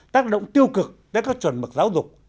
tác động tiêu cực tới các chuẩn mực giáo dục